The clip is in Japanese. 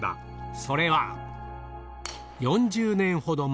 それは４０年ほど前。